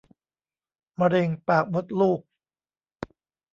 มะเร็งปากมดลูก